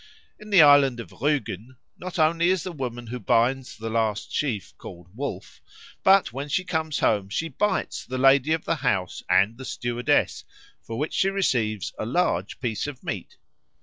In the island of Rügen not only is the woman who binds the last sheaf called Wolf, but when she comes home she bites the lady of the house and the stewardess, for which she receives a large piece of meat.